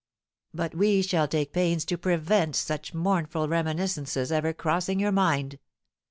"But we shall take pains to prevent such mournful reminiscences ever crossing your mind.